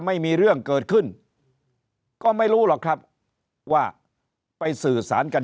ไม่มีเรื่องเกิดขึ้นก็ไม่รู้หรอกครับว่าไปสื่อสารกัน